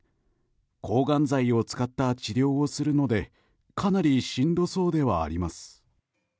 抗がん剤を使った治療をするのでかなりしんどそうではあります。